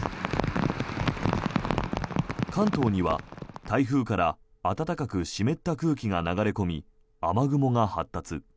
関東には台風から暖かく湿った空気が流れ込み雨雲が発達。